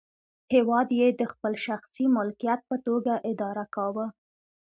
هېواد یې د خپل شخصي ملکیت په توګه اداره کاوه.